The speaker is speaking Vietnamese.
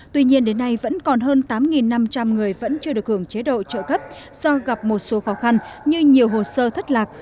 tuy nhiên đến nay vẫn còn hơn tám năm trăm linh người vẫn chưa được hưởng chế độ trợ cấp do gặp một số khó khăn như nhiều hồ sơ thất lạc